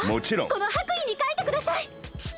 このはくいにかいてください！